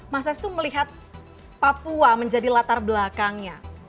mas estu melihat papua menjadi latar belakangnya